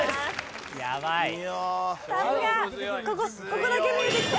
ここだけ見えてきて。